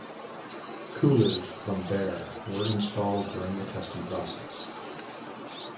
Coolers from Behr were installed during the testing process.